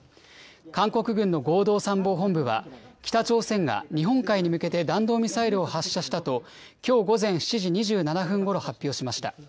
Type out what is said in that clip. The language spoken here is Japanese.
韓国軍の合同参謀本部は、北朝鮮が日本海に向けて弾道ミサイルを発射したと、きょう午前７時２７分ごろ、発表しました。